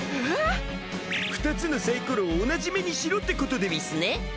えぇっ！？２つのサイコロを同じ目にしろってことでうぃすね。